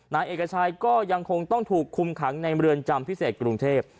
นายเอกชัยก็ยังคงต้องถูกคุมขังในเมืองจำพิเศษกรุงเทพ